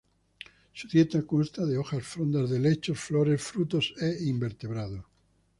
Su dieta consta de hojas, frondas de helechos, flores, frutos e invertebrados.